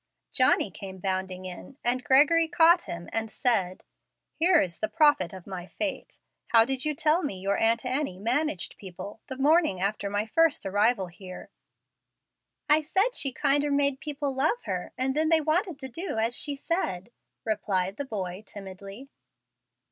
Johnny came bounding in, and Gregory caught him, and said, "Here is the prophet of my fate. How did you tell me your Aunt Annie managed people, the morning after my first arrival here?" "I said she kinder made people love her, and then they wanted to do as she said," replied the boy, timidly.